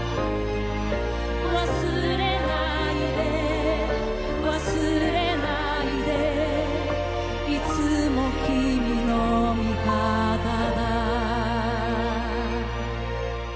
忘れないで忘れないでいつもキミの味方だ